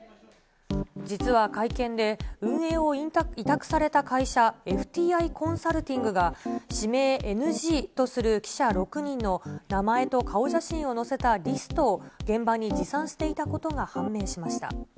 実は会見で、運営を委託された会社、ＦＴＩコンサルティングが、指名ＮＧとする記者６人の名前と顔写真を載せたリストを現場に持参していたことが判明しました。